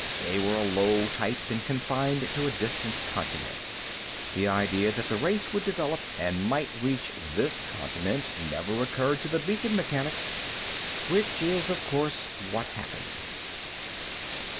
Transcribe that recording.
They were a low type and confined to a distant continent. The idea that the race would develop and might reach this continent never occurred to the beacon mechanics. Which is, of course, what happened.